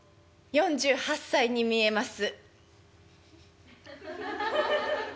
「４８歳に見えます」。